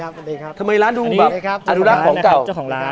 สวัสดีครับทำไมร้านดูแบบอันนูรักของเก่าอันนี้ครับเจ้าของร้านนะครับเจ้าของร้าน